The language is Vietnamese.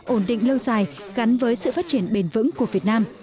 ổn định lâu dài gắn với sự phát triển bền vững của việt nam